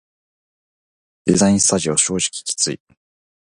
デザインスタジオ正直きつい